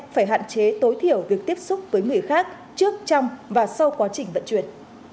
phải hạn chế tối thiểu việc tiếp xúc với người khác trước trong và sau quá trình vận chuyển